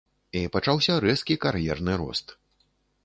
І пачаўся рэзкі кар'ерны рост.